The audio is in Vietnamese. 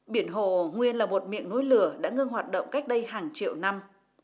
biển hồ nguyên là một miệng núi lửa đã ngưng hoạt động cách đây hàng triệu năm